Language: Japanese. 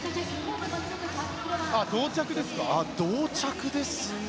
同着ですね。